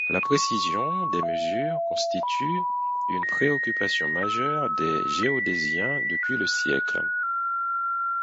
La précision des mesures constitue une préoccupation majeure des géodésiens depuis le siècle.